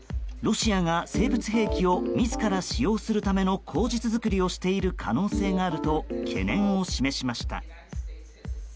ロシアが生物兵器を自ら使用するための口実作りをしている可能性があると懸念を示しました。